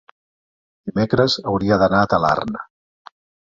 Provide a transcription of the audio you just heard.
dimecres hauria d'anar a Talarn.